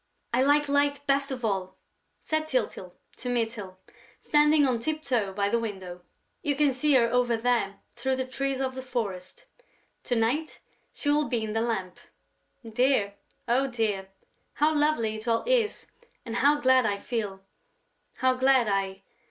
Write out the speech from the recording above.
"I like Light best of all," said Tyltyl to Mytyl, standing on tip toe by the window. "You can see her over there, through the trees of the forest. To night, she will be in the lamp. Dear, oh, dear, how lovely it all is and how glad I feel, how glad I...."